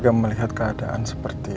tidak tega melihat keadaan seperti